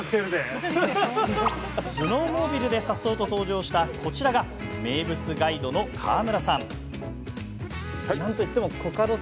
スノーモービルでさっそうと登場したこちらが名物ガイドの川村さん。